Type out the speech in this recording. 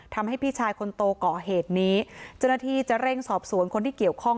ทำให้พี่ชายคนโตเกาะเหตุนี้จนที่จะเร่งสอบสวนคนที่เกี่ยวข้อง